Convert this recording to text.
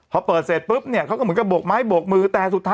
พอเปิดเสร็จปุ๊บเนี่ยเขาก็เหมือนกับบกไม้บกมือ